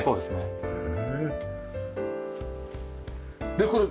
でこれ。